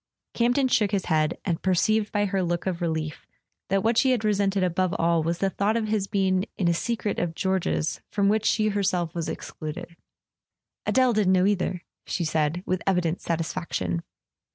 Campton shook his head, and perceived by her look of relief that what she had resented above all was the thought of his being in a secret of George's from which she herself was excluded. "Adele didn't know either," she said, with evident satisfaction.